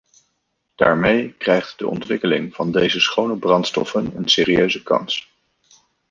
Daarmee krijgt de ontwikkeling van deze schone brandstoffen een serieuze kans.